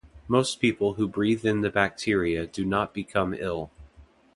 Most people who breathe in the bacteria do not become ill.